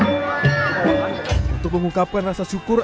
untuk mengungkapkan rasa syukur